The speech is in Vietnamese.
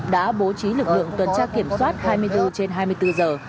đã bố trí lực lượng tuần tra kiểm soát hai mươi bốn trên hai mươi bốn giờ